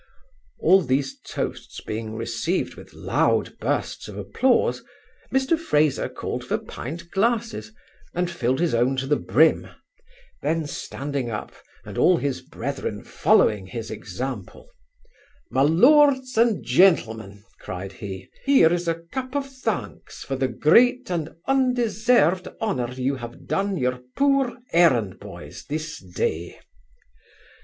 All these toasts being received with loud bursts of applause, Mr Fraser called for pint glasses, and filled his own to the brim: then standing up, and all his brethren following his example, 'Ma lords and gentlemen (cried he), here is a cup of thanks for the great and undeserved honour you have done your poor errand boys this day.